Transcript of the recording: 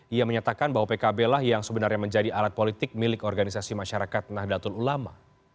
ia menyatakan bahwa pkb lah yang sebenarnya menjadi alat politik milik organisasi masyarakat nahdlatul ulama